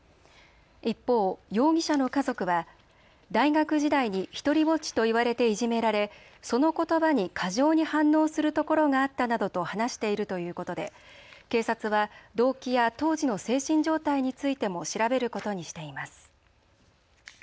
一方、容疑者の家族は大学時代に独りぼっちと言われていじめられそのことばに過剰に反応するところがあったなどと話しているということで警察は動機や当時の精神状態についても調べることにしています。